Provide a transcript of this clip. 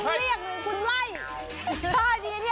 เรียกคุณไล่